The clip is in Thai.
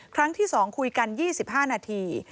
ครั้งที่๒คุยกัน๒๕นาที